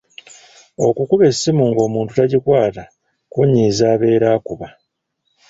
Okukuba essimu ng’omuntu tagikwata kunyiiza abeera akuba.